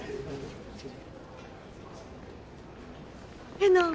えな！